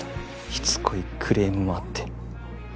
しつこいクレームもあって。